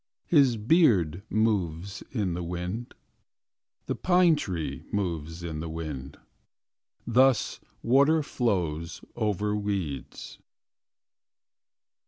His beard moves in the wind. The pine tree moves in the wind. Thus water flows Over weeds